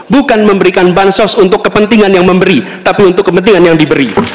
bukan memberikan bansos untuk kepentingan yang memberi tapi untuk kepentingan yang diberi